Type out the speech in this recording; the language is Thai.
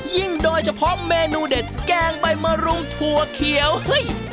โดยเฉพาะเมนูเด็ดแกงใบมะรุงถั่วเขียวเฮ้ย